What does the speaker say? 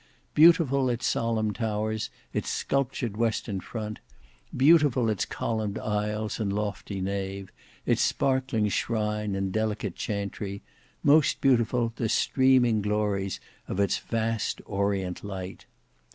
Beautiful its solemn towers, its sculptured western front; beautiful its columned aisles and lofty nave; its sparkling shrine and delicate chantry; most beautiful the streaming glories of its vast orient light!